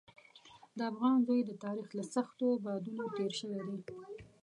د افغان زوی د تاریخ له سختو بادونو تېر شوی دی.